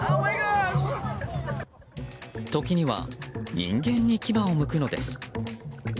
時には人間に牙をむくのです。